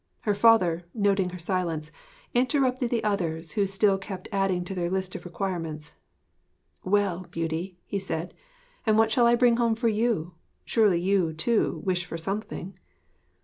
Her father, noting her silence, interrupted the others who still kept adding to their list of requirements. 'Well, Beauty,' he said, 'and what shall I bring home for you? Surely you, too, wish for something?'